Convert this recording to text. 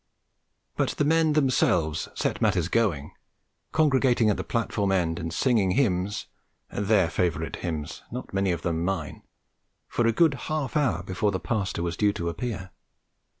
But the men themselves set matters going, congregating at the platform end and singing hymns their favourite hymns not many of them mine for a good half hour before the pastor was due to appear.